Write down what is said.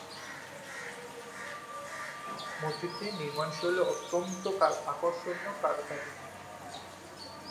মসজিদটির নির্মাণশৈলী অত্যন্ত আকর্ষণীয় কারুকাজময়।